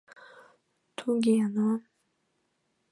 — Туге но...